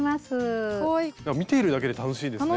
見ているだけで楽しいですね